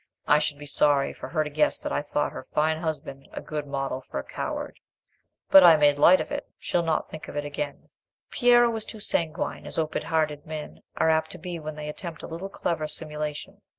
"I should be sorry for her to guess that I thought her fine husband a good model for a coward. But I made light of it; she'll not think of it again." Piero was too sanguine, as open hearted men are apt to be when they attempt a little clever simulation.